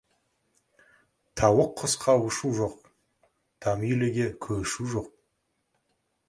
Тауық құсқа ұшу жоқ, там үйліге көшу жоқ.